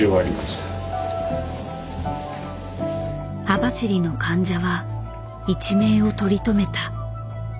網走の患者は一命を取り留めた。